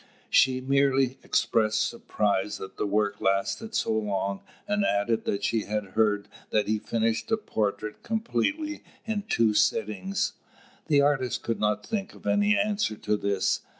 She merely expressed surprise that the work lasted so long, and added that she had heard that he finished a portrait completely in two sittings. The artist could not think of any answer to this.